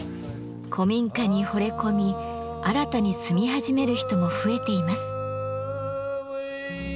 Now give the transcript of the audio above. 古民家にほれ込み新たに住み始める人も増えています。